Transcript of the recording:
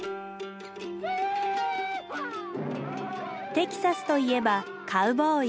テキサスといえばカウボーイ。